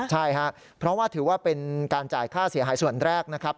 ใช่ครับเพราะว่าถือว่าเป็นการจ่ายค่าเสียหายส่วนแรกนะครับ